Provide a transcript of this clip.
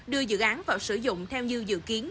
đưa dự án vào sử dụng theo như dự kiến